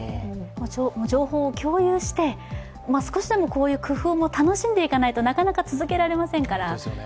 情報を共有して、少しでも工夫も楽しんでいかないと、なかなか続けられませんから。